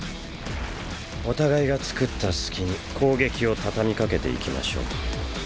お互いが作った隙に攻撃を畳みかけていきましょう。